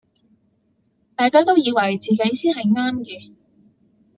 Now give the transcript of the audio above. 大家都以為自己才是對的